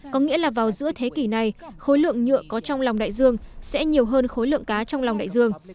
có nghĩa là vào giữa thế kỷ này khối lượng nhựa có trong lòng đại dương sẽ nhiều hơn khối lượng cá trong lòng đại dương